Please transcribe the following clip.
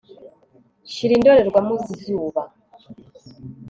Shira indorerwamo zizuba